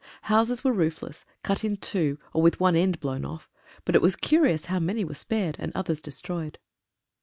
Houses were roofless, cut in two, or with one end blown off, but it was curious how many were spared and others destroyed.